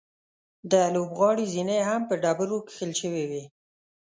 د لوبغالي زینې هم په ډبرو کښل شوې وې.